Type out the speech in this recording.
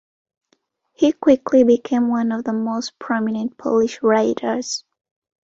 He quickly became one of the most prominent Polish writers.